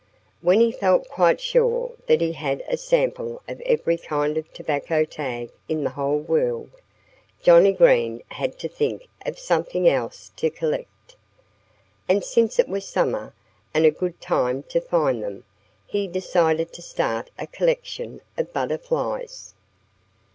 When he felt quite sure that he had a sample of every kind of tobacco tag in the whole world, Johnnie Green had to think of something else to collect. And since it was summer, and a good time to find them, he decided to start a collection of butterflies.